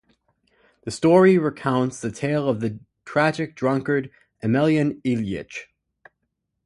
The story recounts the tale of the tragic drunkard Emelyan Ilyitch.